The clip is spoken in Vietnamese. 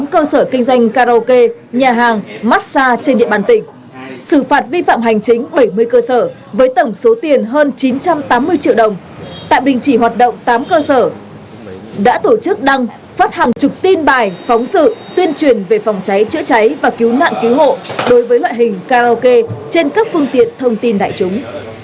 cơ sở kinh doanh karaoke nhà hàng massage trên địa bàn tỉnh xử phạt vi phạm hành chính bảy mươi cơ sở với tổng số tiền hơn chín trăm tám mươi triệu đồng tại bình chỉ hoạt động tám cơ sở đã tổ chức đăng phát hàm chục tin bài phóng sự tuyên truyền về phòng cháy chữa cháy và cứu nạn cứu hộ đối với loại hình karaoke trên các phương tiện thông tin đại chúng